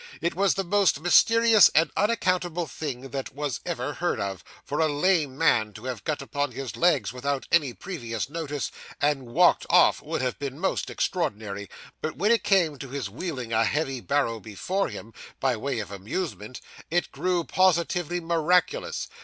It was the most mysterious and unaccountable thing that was ever heard of. For a lame man to have got upon his legs without any previous notice, and walked off, would have been most extraordinary; but when it came to his wheeling a heavy barrow before him, by way of amusement, it grew positively miraculous.